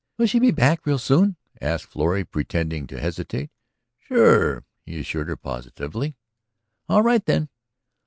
"Will she be back real soon?" asked Florrie pretending to hesitate. "Sure," he assured her positively. "All right then."